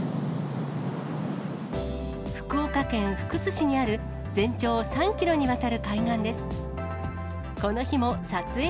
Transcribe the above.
福岡県福津市にある、全長３キロにわたる海岸です。